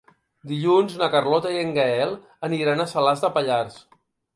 Dilluns na Carlota i en Gaël aniran a Salàs de Pallars.